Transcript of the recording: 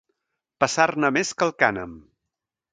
Passar-ne més que el cànem.